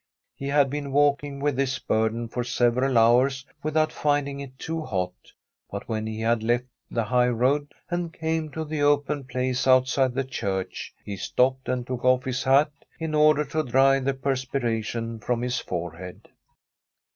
He had been walking with this burden for several hours without finding it too hot, but when he had left the highroad, and came to the open place outside the church, he stopped and took oflf his hat in order to dry the perspiration from his forehead.